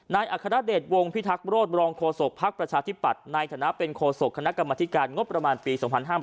อัครเดชวงพิทักษ์โรธบรองโฆษกภักดิ์ประชาธิปัตย์ในฐานะเป็นโคศกคณะกรรมธิการงบประมาณปี๒๕๕๙